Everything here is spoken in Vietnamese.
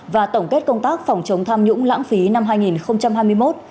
và tổng kết công tác phòng chống tham nhũng lãng phí năm hai nghìn hai mươi một